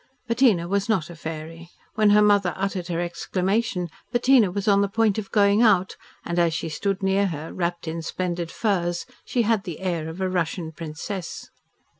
Bettina was not a fairy. When her mother uttered her exclamation Bettina was on the point of going out, and as she stood near her, wrapped in splendid furs, she had the air of a Russian princess.